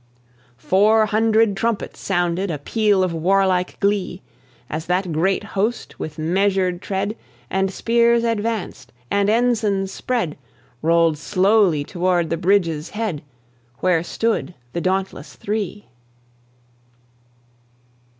Four hundred trumpets sounded A peal of warlike glee, As that great host, with measured tread, And spears advanced, and ensigns spread, Rolled slowly toward the bridge's head, Where stood the dauntless Three.